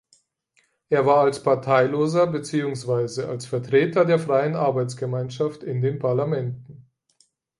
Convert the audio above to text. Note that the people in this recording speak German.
Er war als Parteiloser beziehungsweise als Vertreter der Freien Arbeitsgemeinschaft in den Parlamenten.